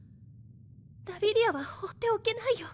ラビリアは放っておけないよ。